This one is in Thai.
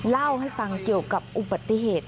เล่าให้ฟังเกี่ยวกับอุบัติเหตุ